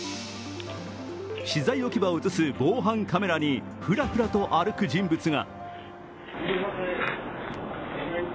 資材置き場を映す防犯カメラにふらふらと歩く人物が。